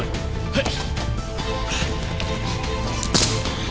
はい！